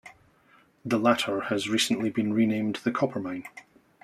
The latter has recently been renamed the Copper Mine.